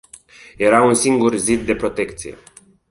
Era un singur zid de protecție.